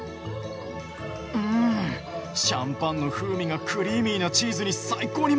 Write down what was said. うんシャンパンの風味がクリーミーなチーズに最高にマッチしてる！